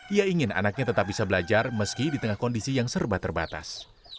ia ingin anaknya tetap bisa belajar meski di tengah kondisi yang serba terbatas